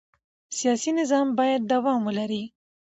سیاسي نظام باید دوام ولري